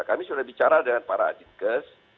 kami sudah bicara dengan para adik adik